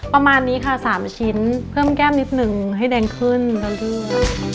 ประมาณนี้ค่ะ๓ชิ้นเพิ่มแก้มนิดนึงให้แดงขึ้นเต็มที่